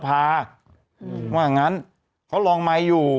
เพราะฉะนั้นเค้ารองไมค์อยู่